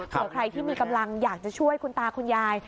เผื่อใครที่มีกำลังอยากจะช่วยคุณตาคุณยาย